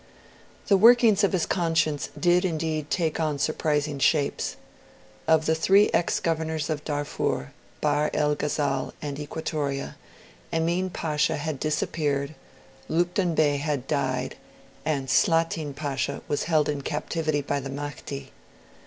The workings of his conscience did indeed take on surprising shapes. Of the three ex governors of Darfur, Bahr el Ghazal, and Equatoria, Emin Pasha had disappeared, Lupton Bey had died, and Slatin Pasha was held in captivity by the Mahdi.